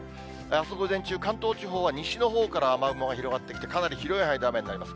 あす午前中、関東地方は西のほうから雲が広がってきて、かなり広い範囲で雨が降ります。